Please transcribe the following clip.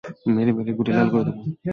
মেরে মেরে গুটি লাল করে দিব।